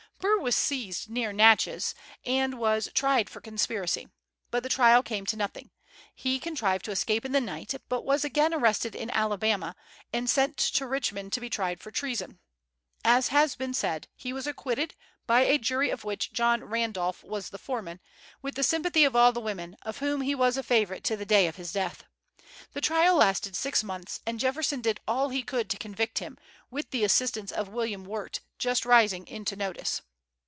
Burr was seized near Natchez, and was tried for conspiracy; but the trial came to nothing. He contrived to escape in the night, but was again arrested in Alabama, and sent to Richmond to be tried for treason. As has been said, he was acquitted, by a jury of which John Randolph was foreman, with the sympathy of all the women, of whom he was a favorite to the day of his death. The trial lasted six months, and Jefferson did all he could to convict him, with the assistance of William Wirt, just rising into notice.